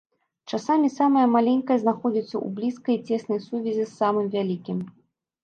Часамі самае маленькае знаходзіцца ў блізкай і цеснай сувязі з самым вялікім.